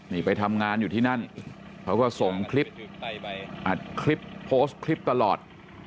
นี่ไปทำงานอยู่ที่นั่นเขาก็ส่งคลิปอัดคลิปโพสต์คลิปตลอด